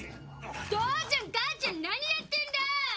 父ちゃん、母ちゃん何やってんだー！